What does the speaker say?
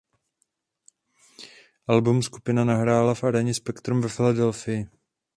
Album skupina nahrála v aréně Spectrum ve Filadelfii.